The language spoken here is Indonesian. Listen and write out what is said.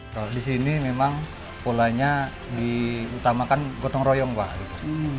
kalau di sini memang polanya diutamakan gotong royong pak gitu